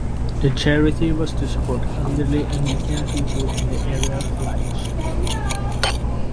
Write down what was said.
The charity was to support elderly Anglican people in the area of Leigh.